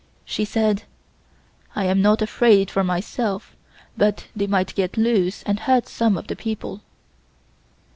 She said: "I am not afraid for myself, but they might get loose and hurt some of the people."